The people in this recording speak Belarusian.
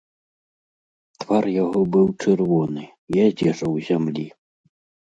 Твар яго быў чырвоны, і адзежа ў зямлі.